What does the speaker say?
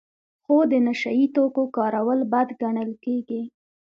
خو د نشه یي توکو کارول بد ګڼل کیږي.